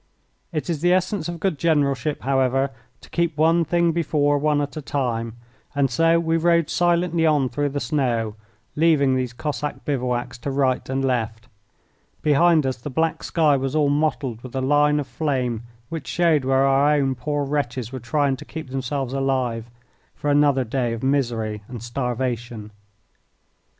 It is the essence of good generalship, however, to keep one thing before one at a time, and so we rode silently on through the snow, leaving these Cossack bivouacs to right and left. Behind us the black sky was all mottled with a line of flame which showed where our own poor wretches were trying to keep themselves alive for another day of misery and starvation.